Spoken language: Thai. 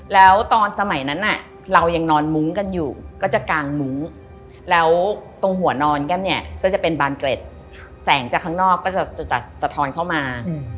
แล้วตอนสมัยนั้นเรายังนอนมุ้งกันอยู่ก็จะกางมุ้งแล้วตรงหัวนอนแก้มเนี่ยก็จะเป็นบานเกร็ดแสงจากข้างนอกก็จะสะท้อนเข้ามา